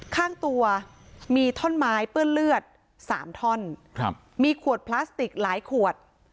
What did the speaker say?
ข้างตัวมีท่อนไม้เปื้อนเลือดสามท่อนครับมีขวดพลาสติกหลายขวด